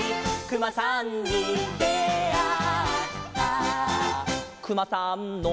「くまさんの」